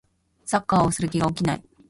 サッカーをする気が起きない